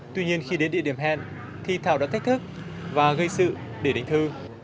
tuy nhiên khi đến địa điểm hẹn thì thảo đã thách thức và gây sự để định thư